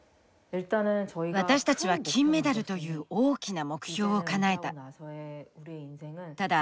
私たちは金メダルという大きな目標をかなえた。